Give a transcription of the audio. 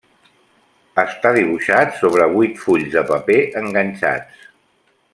Està dibuixat sobre vuit fulls de paper enganxats.